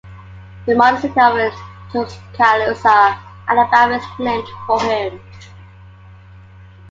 The modern city of Tuscaloosa, Alabama is named for him.